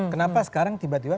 kenapa sekarang tiba tiba